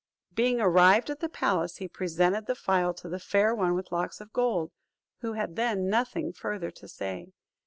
Being arrived at the palace, he presented the phial to the Fair One with Locks of Gold, who had then nothing further to say.